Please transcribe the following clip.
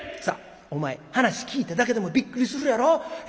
「さあお前話聞いただけでもびっくりするやろ。